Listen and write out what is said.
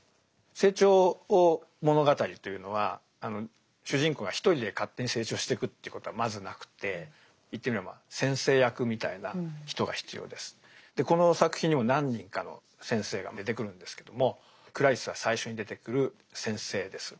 成長物語というのは主人公が一人で勝手に成長してくということはまずなくて言ってみりゃまあでこの作品にも何人かの「先生」が出てくるんですけどもクラリスは最初に出てくる「先生」です。